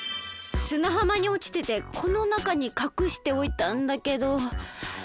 すなはまにおちててこのなかにかくしておいたんだけど。